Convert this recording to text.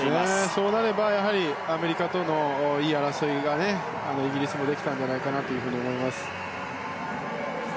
そうなればアメリカとのいい争いがイギリスもできたんじゃないかと思います。